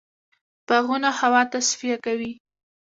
باغونه هوا تصفیه کوي.